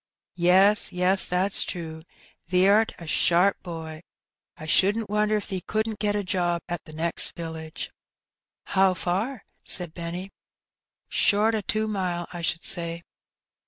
"Yes, yes, that's true; thee'rt a sharp boy. I shouldn't wonder if thee couldn't get a job at t' next village." "How far?" said Benny. "Short o' two mile, I should say."